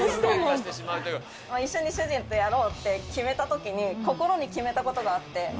一緒に主人とやろうと決めたときに、心に決めたことがあって。